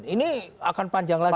ini akan panjang lagi